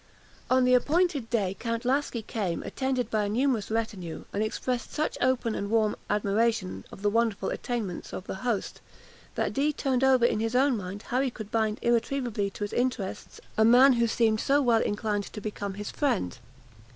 On the appointed day Count Laski came, attended by a numerous retinue, and expressed such open and warm admiration of the wonderful attainments of his host, that Dee turned over in his own mind how he could bind irretrievably to his interests a man who seemed so well inclined to become his friend.